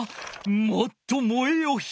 「もっと燃えよ火」！